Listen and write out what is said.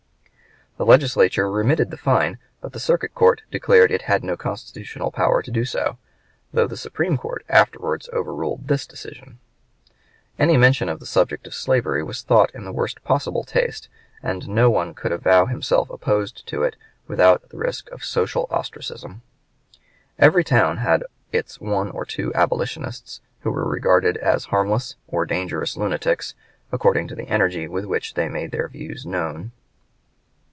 The Legislature remitted the fine, but the Circuit Court declared it had no constitutional power to do so, though the Supreme Court afterwards overruled this decision. Any mention of the subject of slavery was thought in the worst possible taste, and no one could avow himself opposed to it without the risk of social ostracism. Every town had its one or two abolitionists, who were regarded as harmless or dangerous lunatics, according to the energy with which they made their views known.